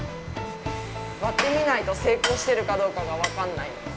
割ってみないと、成功してるかどうかが分からないんです。